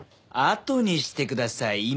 あとにしてください。